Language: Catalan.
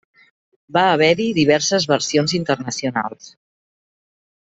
Va haver-hi diverses versions internacionals.